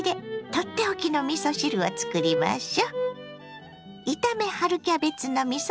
取って置きのみそ汁をつくりましょ。